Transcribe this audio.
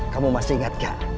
kamu masih ingat nggak